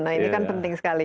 nah ini kan penting sekali